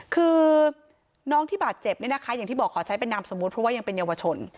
คือน้องที่บาดเจ็บเนี่ยนะคะอย่างที่บอกขอใช้เป็นนามสมมุติเพราะว่ายังเป็นเยาวชน